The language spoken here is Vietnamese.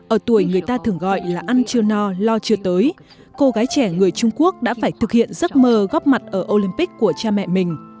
ở tuổi người ta thường gọi là ăn chưa no lo chưa tới cô gái trẻ người trung quốc đã phải thực hiện giấc mơ góp mặt ở olympic của cha mẹ mình